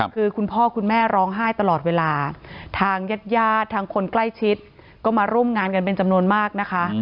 คือคุณพ่อคุณแม่ร้องไห้ตลอดเวลาทางญาติญาติทางคนใกล้ชิดก็มาร่วมงานกันเป็นจำนวนมากนะคะ